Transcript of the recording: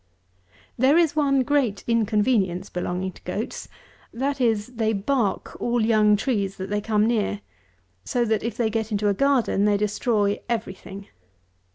190. There is one great inconvenience belonging to goats; that is, they bark all young trees that they come near; so that, if they get into a garden, they destroy every thing.